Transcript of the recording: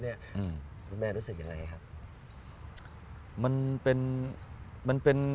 คุณแมนรู้สึกยังไงครับ